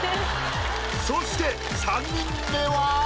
そして３人目は？